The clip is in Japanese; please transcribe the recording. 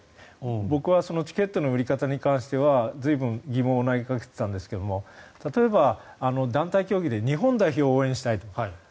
僕はチケットの売り方に関しては随分、疑問を投げかけていたんですけど例えば、団体競技で日本代表を応援したいと。